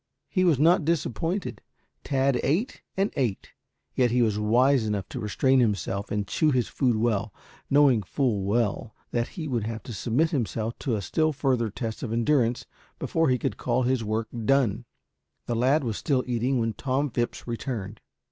He was not disappointed. Tad ate and ate, yet he was wise enough to restrain himself and chew his food well, knowing full well that he would have to submit himself to a still further test of endurance before he could call his work done. The lad was still eating when Tom Phipps returned.